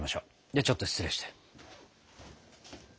ではちょっと失礼して。